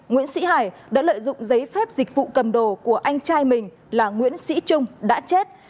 nguyễn sĩ hải đã lợi dụng giấy phép dịch vụ cầm đồ của anh trai mình là nguyễn sĩ trung đã chết